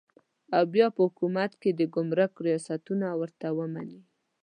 او بیا په حکومت کې د ګمرک ریاستونه ورته ومني.